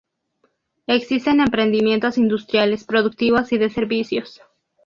Existen emprendimientos industriales, productivos y de servicios.